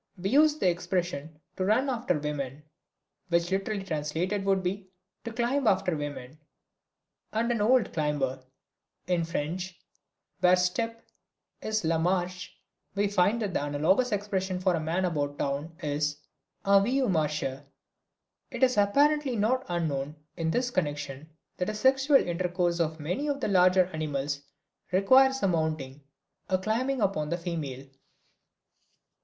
We use the expressions "to run after women," which literally translated would be "to climb after women," and "an old climber." In French, where "step" is "la marche" we find that the analogous expression for a man about town is "un vieux marcheur." It is apparently not unknown in this connection that the sexual intercourse of many of the larger animals requires a mounting, a climbing upon the female.